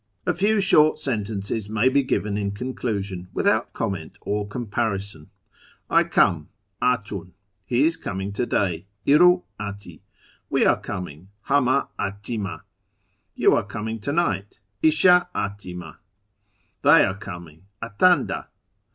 ^ A few short sentences may be given in conclusion, without comment or comparison. I come — Atun. lie is coming to day — /r?t dti. We are coming — Hamd dtimd. You are coming to night — Ishd dtimd. They are coming — Atandn.